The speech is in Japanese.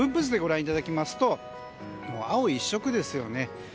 図でご覧いただきますと青一色ですよね。